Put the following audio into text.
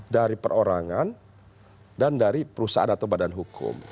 dari perorangan dan dari perusahaan atau badan hukum